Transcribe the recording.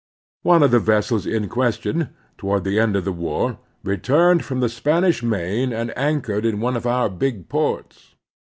One of the vessels in question, toward the end of the war, returned from the Spanish Main and anchored in one of our big ports.